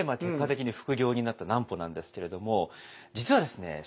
結果的に副業になった南畝なんですけれども実はですね